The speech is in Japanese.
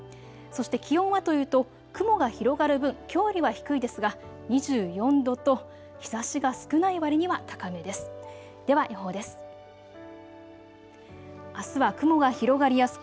そして気温はというと雲が広がる分、きょうよりは低いですが２４度と日ざしが少ないわりには高めです。